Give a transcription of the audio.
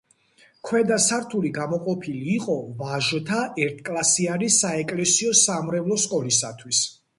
ქვედა სართული გამოყოფილი იყო ვაჟთა ერთკლასიანი საეკლესიო-სამრევლო სკოლისათვის.